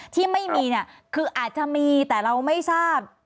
ที่ไม่มีเนี่ยคืออาจจะมีแต่เราไม่ทราบ